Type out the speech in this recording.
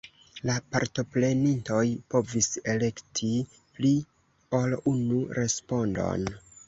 La partoprenintoj povis elekti pli ol unu respondon.